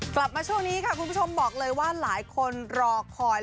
กลับมาช่วงนี้ค่ะคุณผู้ชมบอกเลยว่าหลายคนรอคอย